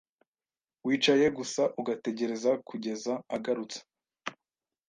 Wicaye gusa ugategereza kugeza agarutse.